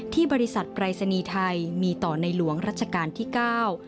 บริษัทปรายศนีย์ไทยมีต่อในหลวงรัชกาลที่เก้า